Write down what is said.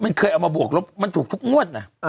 มันเคยเอามาบวกลบมันถูกทุกงวดนะ